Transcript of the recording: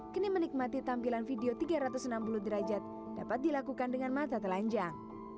kini menikmati tampilan video tiga ratus enam puluh derajat dapat dilakukan dengan mata telanjang